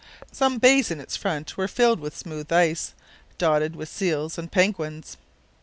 Some bays in its front were filled with smooth ice, dotted with seals and penguins.